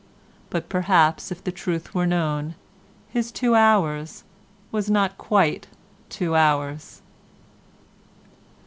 But perhaps if the truth were known his two hours was not quite two hours.